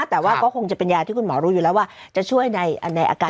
แต่ว่าก็คงจะเป็นยาที่คุณหมอรู้อยู่แล้วว่าจะช่วยในอาการที่เกิดขึ้นได้